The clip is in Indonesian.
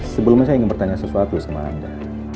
sebelumnya saya ingin bertanya sesuatu sama anda